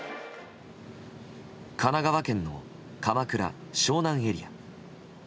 神奈川県の鎌倉・湘南エリア。